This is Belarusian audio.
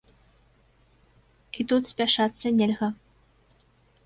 І тут спяшацца нельга.